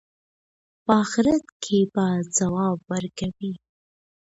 په آخرت کې به ځواب ورکوئ.